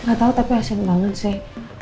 gak tau tapi asin banget sih